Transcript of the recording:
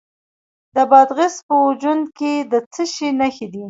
د بادغیس په جوند کې د څه شي نښې دي؟